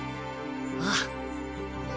ああ。